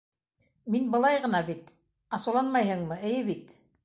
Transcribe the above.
Мин былай ғына бит, асыуланмайһыңмы, эйе бит?